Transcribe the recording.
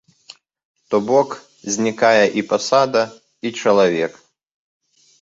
То бок, знікае і пасада, і чалавек.